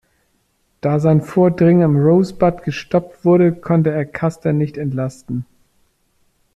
Da sein Vordringen am Rosebud gestoppt wurde, konnte er Custer nicht entlasten.